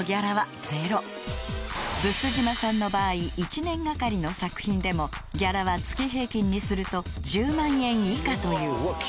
［毒島さんの場合１年がかりの作品でもギャラは月平均にすると１０万円以下という］